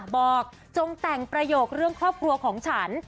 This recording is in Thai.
จงแต่งประโยคเรื่องครอบครัวของฉัน